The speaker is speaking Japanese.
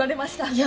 いや